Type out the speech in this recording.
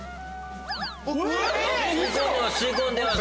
えっ⁉吸い込んでます。